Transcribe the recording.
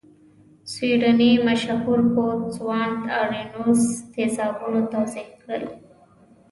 سویډنۍ مشهور پوه سوانت ارینوس تیزابونه توضیح کړل.